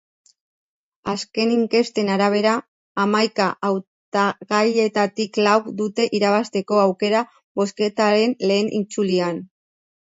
Azken inkesten arabera, hamaika hautagaietatik lauk dute irabazteko aukera bozketaren lehen itzulian.